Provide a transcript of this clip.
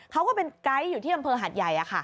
เขาก็เป็นไกด์อยู่ที่อำเภอหัดใหญ่